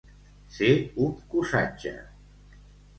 Ser un cossatge.